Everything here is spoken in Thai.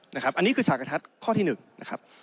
นะครับอันนี้คือฉากกระทัดข้อที่๑นะครับ